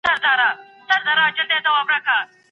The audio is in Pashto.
که ډاکټره غوسه سي، د لوړ ږغ سره به پاڼه ړنګه کړي.